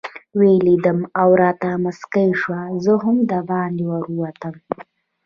ویې لیدم او راته مسکۍ شوه، زه هم دباندې ورووتم.